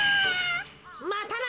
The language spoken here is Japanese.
またな。